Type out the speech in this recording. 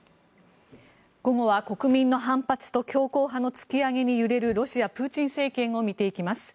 午後は国民の反発と強硬派の突き上げに揺れるロシア、プーチン政権を見ていきます。